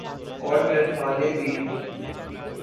اورمیخانے بھی۔